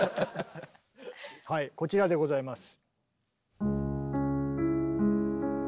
はいこちらでございます。